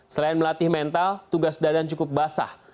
selain melatih mental tugas dadan cukup basah